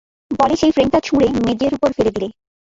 বলে সেই ফ্রেমটা ছুঁড়ে মেজের উপর ফেলে দিলে।